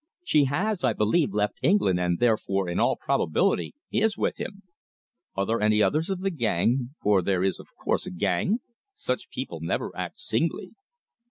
"She has, I believe, left England, and, therefore, in all probability, is with him." "Are there any others of the gang for there is, of course, a gang? Such people never act singly."